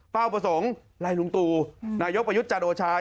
ประสงค์ไล่ลุงตูนายกประยุทธ์จันโอชา